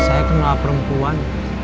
saya kenal perempuan